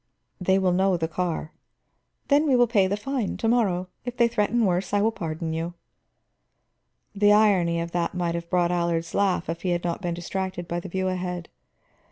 "They will know the car." "Then we will pay the fine, to morrow. If they threaten worse I will pardon you." The irony of that might have brought Allard's laugh if he had not been distracted by the view ahead.